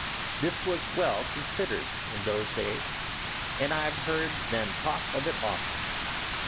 This was well considered in those days, and I have heard them talk of it often.